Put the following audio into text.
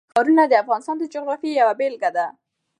ښارونه د افغانستان د جغرافیې یوه بېلګه ده.